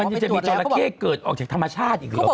จริงจะมีจราเข้เกิดออกจากธรรมชาติอีกเหรอ